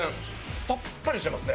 さっぱりしてますね。